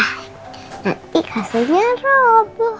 nanti kasurnya roboh